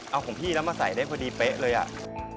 เอาของพี่แล้วมาใส่ได้พอดีเป๊ะเลยอ่ะ